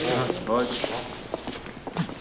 ・はい。